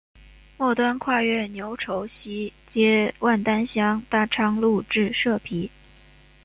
末端跨越牛稠溪接万丹乡大昌路至社皮。